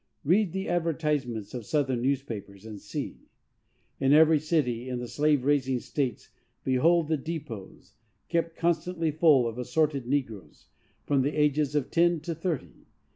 Read the advertisements of Southern newspapers, and see. In every city in the slave raising states behold the dépôts, kept constantly full of assorted negroes from the ages of ten to thirty!